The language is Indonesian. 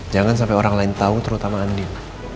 jangan sampai orang lain tau terutama andin